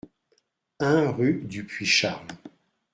un rue du Puits Charles